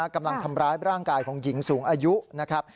กำลังทำร้ายร่างกายของหญิงสูงอายุนะครับ